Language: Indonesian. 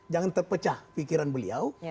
jangan terpecah pikiran beliau